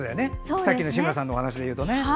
さっきの志村さんのお話で言うとね。